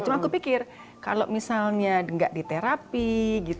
cuma aku pikir kalau misalnya nggak di terapi gitu